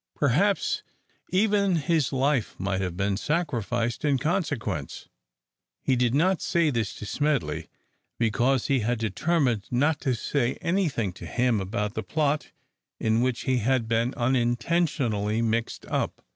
Perhaps even his life might have been sacrificed in consequence! He did not say this to Smedley, because he had determined not to say any thing to him about the plot in which he had been unintentionally mixed up.